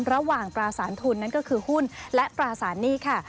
ระหว่างปราสารทุนนั้นก็คือหุ้นและปราสารหนี้ค่ะ